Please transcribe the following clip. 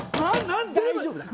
大丈夫だ！